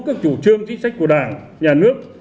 các chủ trương chính sách của đảng nhà nước